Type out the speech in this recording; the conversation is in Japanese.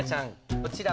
こちら。